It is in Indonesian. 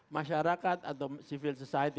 masyarakat atau civil society